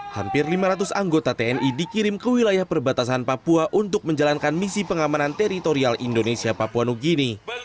hampir lima ratus anggota tni dikirim ke wilayah perbatasan papua untuk menjalankan misi pengamanan teritorial indonesia papua new guinea